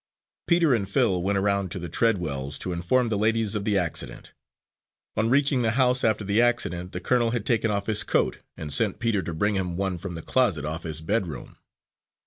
Peter and Phil went around to the Treadwells' to inform the ladies of the accident. On reaching the house after the accident, the colonel had taken off his coat, and sent Peter to bring him one from the closet off his bedroom.